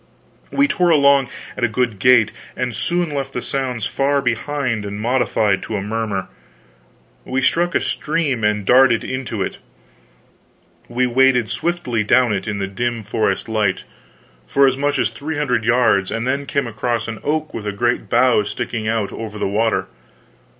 We tore along at a good gait, and soon left the sounds far behind and modified to a murmur. We struck a stream and darted into it. We waded swiftly down it, in the dim forest light, for as much as three hundred yards, and then came across an oak with a great bough sticking out over the water.